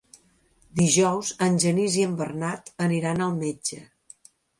Dijous en Genís i en Bernat aniran al metge.